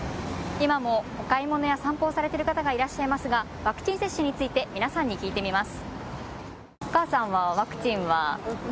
今もお買い物や散歩をされてる方がいらっしゃいますがワクチン接種について皆さんに聞いてみます。